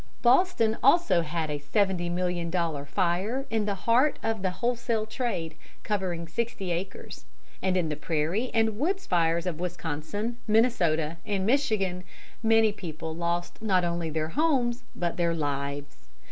Boston also had a seventy million dollar fire in the heart of the wholesale trade, covering sixty acres; and in the prairie and woods fires of Wisconsin, Minnesota, and Michigan, many people lost not only their homes but their lives.